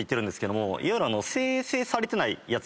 いわゆる精製されてないやつ。